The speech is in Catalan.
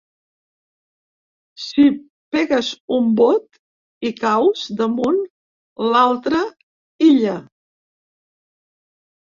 Si pegues un vot i caus damunt l’altra illa.